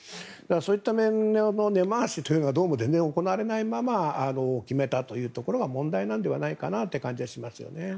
そういった面の根回しはどうやら全然行われないまま決めたというところが問題なのではないかなという気がします。